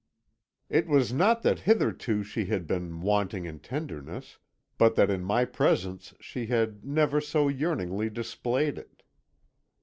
"It was not that hitherto she had been wanting in tenderness, but that in my presence she had never so yearningly displayed it.